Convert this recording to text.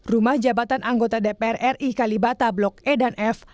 rumah jabatan anggota dpr ri kalibata blok e dan f